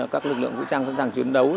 các lực lượng vũ trang sẵn sàng chiến đấu